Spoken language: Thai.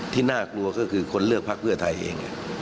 ที่น่ากลัวคือคนเลือกภาคเมืองไทยเอง